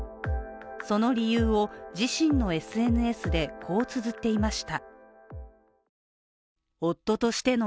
その理由を、自身のＳＮＳでこうつづっていました。